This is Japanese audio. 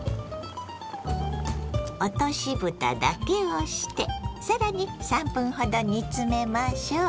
落としぶただけをして更に３分ほど煮詰めましょう。